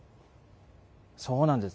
そうなんです。